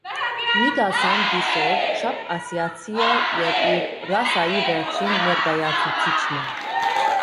Միկասան կիսով չափ ասիացի է և իր ռասայի վերջին ներկայացուցիչն է։